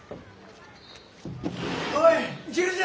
おい昼じゃ！